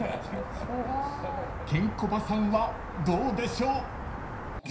［ケンコバさんはどうでしょう？］